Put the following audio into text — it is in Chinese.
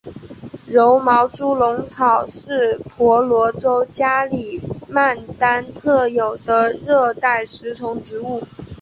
柔毛猪笼草是婆罗洲加里曼丹特有的热带食虫植物。